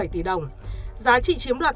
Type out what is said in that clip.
tỷ đồng giá trị chiếm đoạt